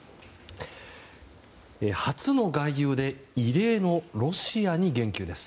初の外遊で異例のロシアに言及です。